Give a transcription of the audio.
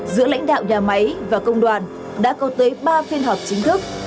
giữa lãnh đạo nhà máy và công đoàn đã có tới ba phiên họp chính thức